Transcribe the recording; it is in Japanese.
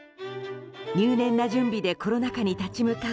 入念な準備でコロナ禍に立ち向かう